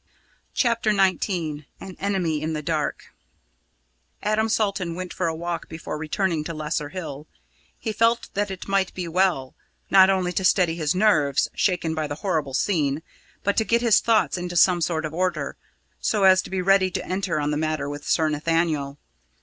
CHAPTER XIX AN ENEMY IN THE DARK Adam Salton went for a walk before returning to Lesser Hill; he felt that it might be well, not only to steady his nerves, shaken by the horrible scene, but to get his thoughts into some sort of order, so as to be ready to enter on the matter with Sir Nathaniel.